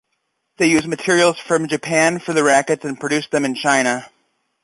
They use materials from Japan for the rackets and produced them in China.